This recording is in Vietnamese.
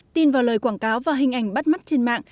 tin vào lời quảng cáo và hình ảnh bắt mắt trên mạng